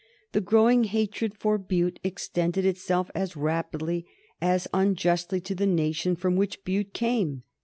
The growing hatred for Bute extended itself as rapidly as unjustly to the nation from which Bute came.